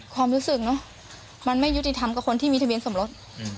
ความรู้สึกเนอะมันไม่ยุติธรรมกับคนที่มีทะเบียนสมรส